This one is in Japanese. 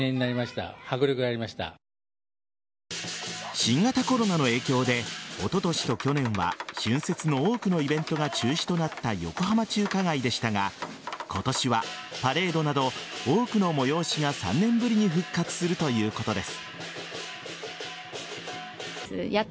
新型コロナの影響でおととしと去年は春節の多くのイベントが中止となった横浜中華街でしたが今年はパレードなど多くの催しが３年ぶりに復活するということです。